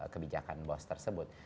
kebijakan bos tersebut